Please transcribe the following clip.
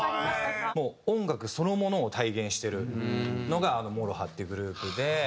もう音楽そのものを体現してるのがＭＯＲＯＨＡっていうグループで。